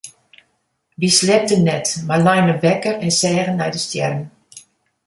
Wy sliepten net mar leine wekker en seagen nei de stjerren.